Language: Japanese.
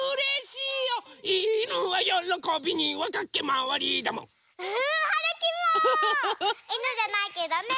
いぬじゃないけどね。